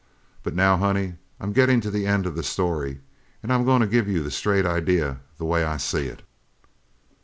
But now, honey, I'm gettin' to the end of the story, an' I'm goin' to give you the straight idea the way I see it.